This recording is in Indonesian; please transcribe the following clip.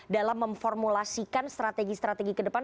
dalam memformulasikan strategi strategi ke depan